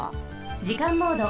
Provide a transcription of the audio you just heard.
じかんモード。